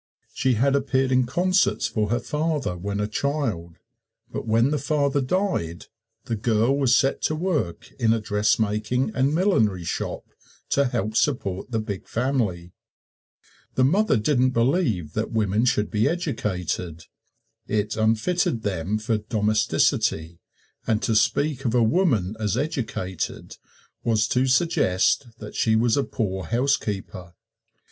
She had appeared in concerts for her father when a child. But when the father died, the girl was set to work in a dressmaking and millinery shop, to help support the big family. The mother didn't believe that women should be educated it unfitted them for domesticity, and to speak of a woman as educated was to suggest that she was a poor housekeeper.